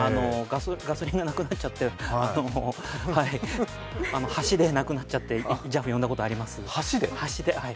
ガソリンがなくなっちゃって、橋でなくなっちゃって、ＪＡＦ呼んだことあります。